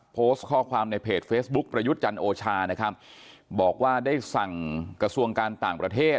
โพสต์ข้อความในเพจเฟซบุ๊คประยุทธ์จันทร์โอชานะครับบอกว่าได้สั่งกระทรวงการต่างประเทศ